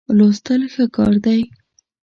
لوستل ښه کار دی.